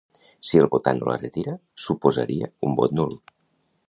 Si el votant no la retira, suposaria un vot nul.